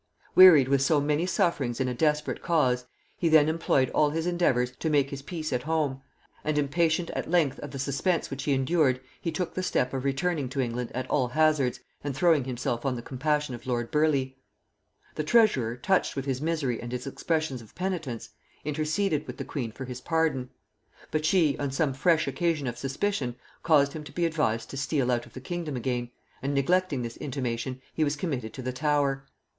Wearied with so many sufferings in a desperate cause, he then employed all his endeavours to make his peace at home; and impatient at length of the suspense which he endured, he took the step of returning to England at all hazards and throwing himself on the compassion of lord Burleigh. The treasurer, touched with his misery and his expressions of penitence, interceded with the queen for his pardon; but she, on some fresh occasion of suspicion, caused him to be advised to steal out of the kingdom again; and neglecting this intimation, he was committed to the Tower.